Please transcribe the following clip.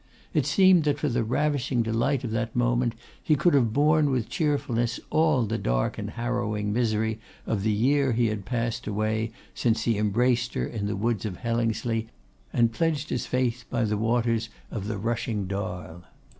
It seemed that for the ravishing delight of that moment he could have borne with cheerfulness all the dark and harrowing misery of the year that had passed away since he embraced her in the woods of Hellingsley, and pledged his faith by the waters of the rushing Darl.